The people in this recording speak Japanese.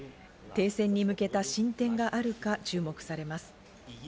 停戦に向けた進展があるか注目されます。